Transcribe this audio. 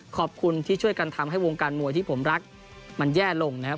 ขอบคุณที่ช่วยกันทำให้วงการมวยที่ผมรักมันแย่ลงนะครับ